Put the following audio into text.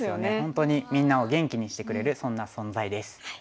本当にみんなを元気にしてくれるそんな存在です。